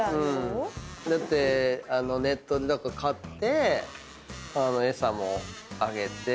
ネットで買って餌もあげて。